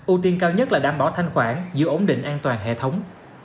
ưu tiên cao nhất là đảm bảo thanh khoản giữ ổn định an toàn hệ thống